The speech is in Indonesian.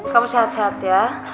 kamu sehat sehat ya